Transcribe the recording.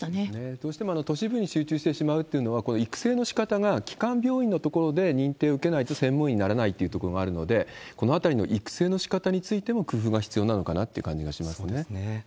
どうしても都市部に集中してしまうというのは、育成のしかたが基幹病院のところで認定を受けないと専門医になれないというところがあるので、このあたりの育成のしかたについても工夫が必要なのかなって感じそうですね。